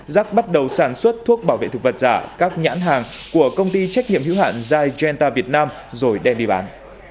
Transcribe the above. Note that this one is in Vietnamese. giác bắt đầu sản xuất thuốc bảo vệ thực vật giả các nhãn hàng của công ty trách nhiệm hữu hạn zagenda việt nam rồi đem đi bán